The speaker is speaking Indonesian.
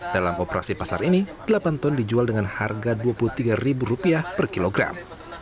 dalam operasi pasar ini delapan ton dijual dengan harga rp dua puluh tiga per kilogram